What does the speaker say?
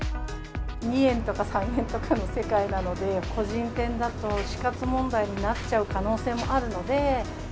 ２円とか３円とかの世界なので、個人店だと、死活問題になっちゃう可能性もあるので。